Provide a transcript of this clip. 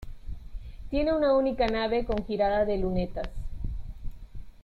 Tiene una única nave con girada de lunetas.